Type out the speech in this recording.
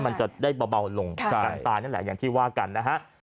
อย่างที่ว่ากันนะฮะ